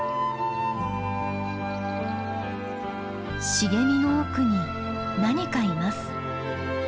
茂みの奥に何かいます。